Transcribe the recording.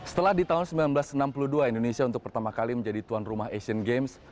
setelah di tahun seribu sembilan ratus enam puluh dua indonesia untuk pertama kali menjadi tuan rumah asian games